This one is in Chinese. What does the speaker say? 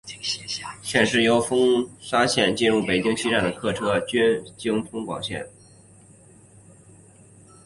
现时由丰沙线进入北京西站的客车均经丰广线。